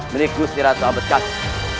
menikmati ratu ambetkasi